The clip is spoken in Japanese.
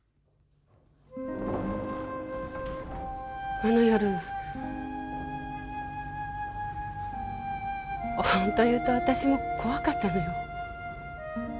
・あの夜ホント言うと私も怖かったのよ